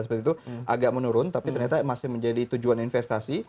seperti itu agak menurun tapi ternyata masih menjadi tujuan investasi